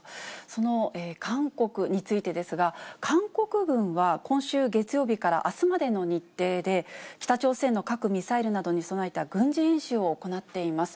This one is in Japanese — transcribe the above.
その韓国についてですが、韓国軍は、今週月曜日からあすまでの日程で、北朝鮮の核・ミサイルなどに備えた軍事演習を行っています。